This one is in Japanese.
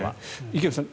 池内さん